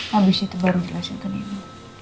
habis itu baru jelasin ke ibu